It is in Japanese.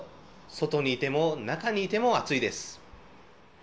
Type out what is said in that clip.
外にいても中にいても暑いです。